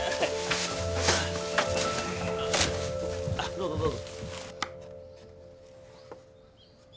どうぞどうぞ。